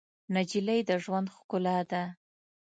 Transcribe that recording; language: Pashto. نجلۍ د ژوند ښکلا ده.